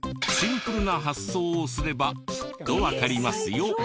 シンプルな発想をすればきっとわかりますよ